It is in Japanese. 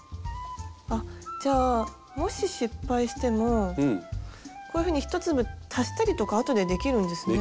あっじゃあもし失敗してもこういうふうに１粒足したりとかあとでできるんですね？